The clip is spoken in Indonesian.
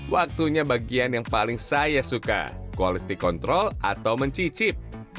waktunya bagian yang paling saya suka quality control atau mencicip